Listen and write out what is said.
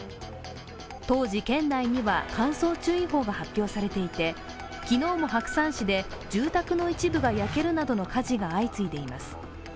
当時、県内には乾燥注意報が発表されていて、昨日も白山市で住宅の一部が焼けるなどの火事が相次いでいます。